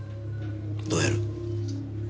どうやる？